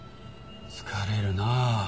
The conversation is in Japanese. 疲れるな。